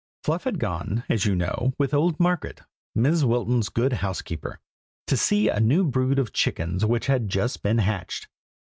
Fluff had gone, as you know, with old Margaret, Mrs. Wilton's good housekeeper, to see a new brood of chickens which had just been hatched.